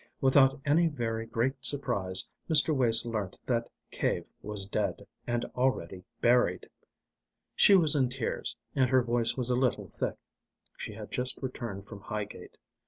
Without any very great surprise Mr. Wace learnt that Cave was dead and already buried. She was in tears, and her voice was a little thick. She had just returned from Highgate.